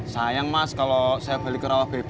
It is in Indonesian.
sayang mas kalau saya balik ke rawah bp